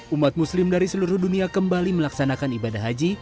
umat muslim dari seluruh dunia kembali melaksanakan ibadah haji